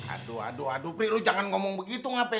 aduh aduh aduh prih lo jangan ngomong begitu nga peh